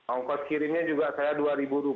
ongkot kirimnya juga saya rp dua per kerat